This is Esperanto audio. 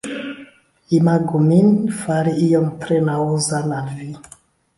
Imagu min fari ion tre naŭzan al vi